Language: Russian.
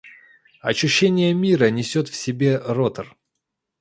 Ощущение мира несет в себе ротор.